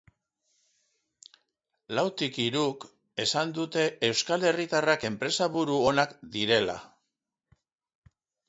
Lautik hiruk esan dute euskal herritarrak enpresaburu onak direla.